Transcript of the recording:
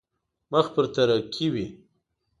مخ پر ترقي وي.